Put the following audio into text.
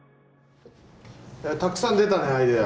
たくさん出たねアイデア。